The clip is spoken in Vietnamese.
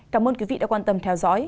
cảm ơn quý vị đã quan tâm theo dõi